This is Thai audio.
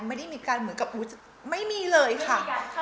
ไม่ได้มีการเหมือนกับไม่มีเลยค่ะ